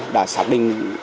đã xác minh